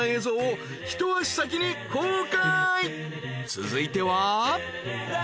［続いては］